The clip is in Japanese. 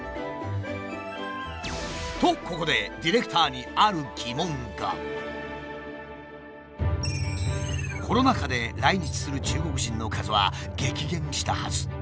とここでコロナ禍で来日する中国人の数は激減したはず。